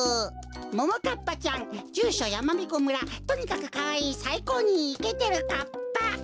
ももかっぱちゃんじゅうしょやまびこ村とにかくかわいいさいこうにイケてるかっぱ。